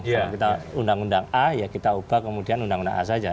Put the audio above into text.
kalau kita undang undang a ya kita ubah kemudian undang undang a saja